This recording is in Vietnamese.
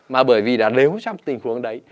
mà bởi vì là nếu trong tình huống đấy